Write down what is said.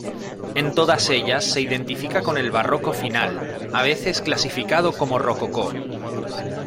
En todas ellas se identifica con el barroco final, a veces clasificado como rococó.